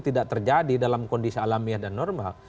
tidak terjadi dalam kondisi alamiah dan normal